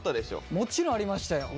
もちろんありましたよ。